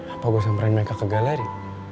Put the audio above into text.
apa gue samperin mereka ke galeri